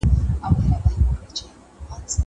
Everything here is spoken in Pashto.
زه اجازه لرم چي موسيقي اورم.